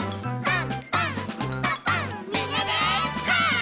パン！